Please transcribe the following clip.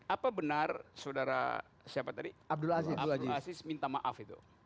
apa benar saudara abdul aziz minta maaf